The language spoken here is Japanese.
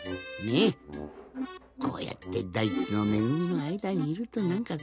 こうやってだいちのめぐみのあいだにいるとなんか